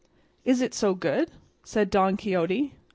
"Is it so good?" said Don Quixote.